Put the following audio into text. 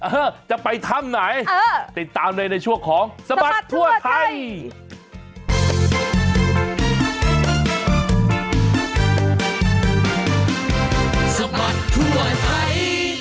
เออจะไปถ้ำไหนติดตามเลยในช่วงของสบัดทั่วไทย